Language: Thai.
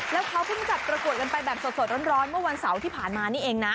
แล้วเขาเพิ่งจัดประกวดกันไปแบบสดร้อนเมื่อวันเสาร์ที่ผ่านมานี่เองนะ